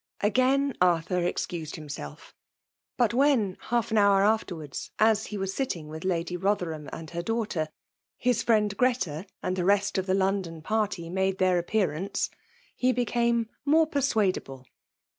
Again Arthur excused himself: but when, half an hour afterwards, as he was sitting with Lady BoUierham and her daughter, his fnend Greta and the rest of the London party made 116 FEMALE BOMINATION. their appearancei he became more persuade able.